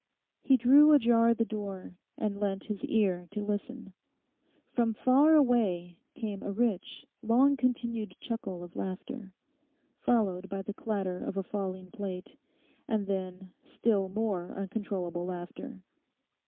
He drew ajar the door, and leant his ear to listen. From far away came a rich, long continued chuckle of laughter, followed by the clatter of a falling plate, and then, still more uncontrollable laughter.